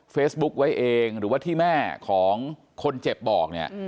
เฟซบุ๊คไว้เองหรือว่าที่แม่ของคนเจ็บบอกเนี่ย